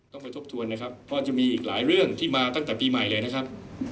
ต้องไปทบทวนนะครับเพราะจะมีอีกหลายเรื่องที่มาตั้งแต่ปีใหม่เลยนะครับ